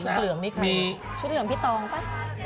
เหลืองนี่คือชุดเหลืองพี่ตองป่ะ